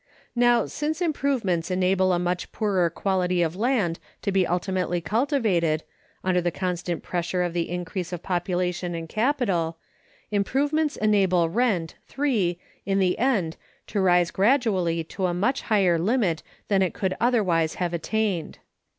Now, since improvements enable a much poorer quality of land to be ultimately cultivated, under the constant pressure of the increase of population and capital, improvements enable rent (3) in the end to rise gradually to a much higher limit than it could otherwise have attained.